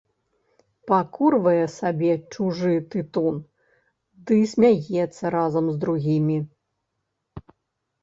Пакурвае сабе чужы тытун ды смяецца разам з другімі.